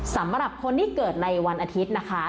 สำหรับคนที่เกิดในวันอาทิตย์นะคะ